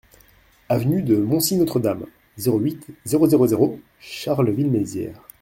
Avenue de Montcy-Notre-Dame, zéro huit, zéro zéro zéro Charleville-Mézières